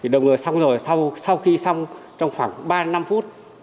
đồng người xong rồi sau khi xong trong khoảng ba năm phút